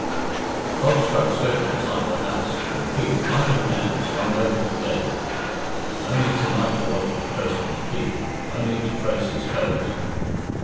The clock struck seven inside the house, and Pete, pipe in hand, swung over to the gate. No need to night to watch for the postman's peak, no need to trace his toes.